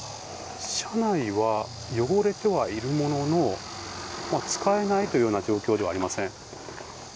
車内は汚れてはいるものの使えないというような状態ではありません。